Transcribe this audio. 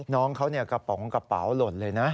น้องเขากระป๋องกระเป๋าหล่นเลยนะ